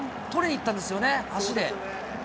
捕りにいったんですよね、足で。